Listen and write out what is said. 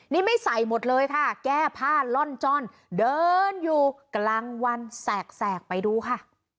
นี่ไม่ใส่หมดเลยค่ะแก้ผ้าล่อนจ้อนเดินอยู่กลางวันแสกไปดูค่ะ